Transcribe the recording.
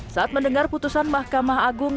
saat mendengar putusan mahkamah agung